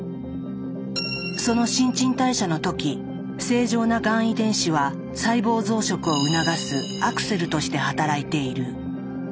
その新陳代謝の時正常ながん遺伝子は細胞増殖を促すアクセルとして働いている。